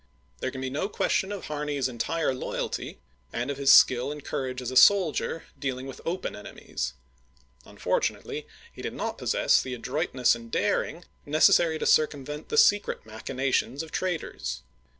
There can be no question of Harney's entire loyalty, and of his skill and courage as a soldier dealing with open enemies. Unfortunately, he did not pos sess the adroitness and daring necessary to circum vent the secret machinations of traitors.